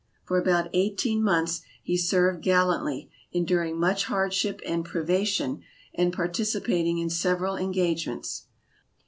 For about eighteen months he served gallantly, enduring much hardship SKETCHES OF TRAVEL and privation and participating in several engagements.